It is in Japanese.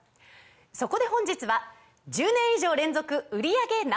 そこで本日は１０年以上連続売り上げＮｏ．１